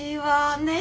ねえ。